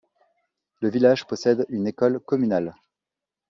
Le village possède une école communale.